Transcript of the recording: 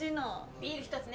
ビール１つね。